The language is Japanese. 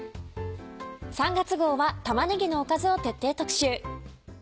３月号は玉ねぎのおかずを徹底特集。